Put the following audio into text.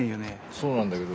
そうなんだけど。